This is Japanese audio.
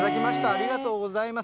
ありがとうございます。